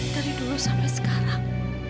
dari dulu sampai sekarang